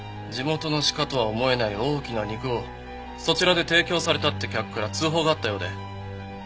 地元の鹿とは思えない大きな肉をそちらで提供されたって客から通報があったようで。